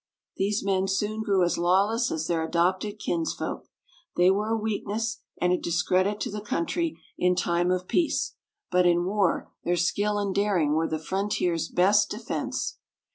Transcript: These men soon grew as lawless as their adopted kinsfolk. They were a weakness and a discredit to the country in time of peace, but in war their skill and daring were the frontier's best defence.